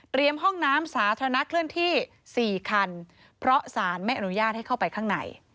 ห้องน้ำสาธารณะเคลื่อนที่๔คันเพราะสารไม่อนุญาตให้เข้าไปข้างใน